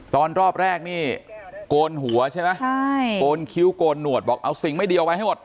ตอนแรกนี่โกนหัวใช่ไหมใช่โกนคิ้วโกนหนวดบอกเอาสิ่งไม่ดีเอาไว้ให้หมด